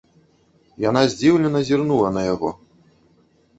Яна здзіўлена зірнула на яго.